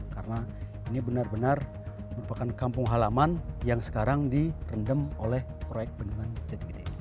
karena ini benar benar merupakan kampung halaman yang sekarang direndam oleh proyek pendidikan jgd